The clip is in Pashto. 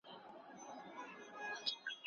چي یې هیري دښمنۍ سي د کلونو د عمرونو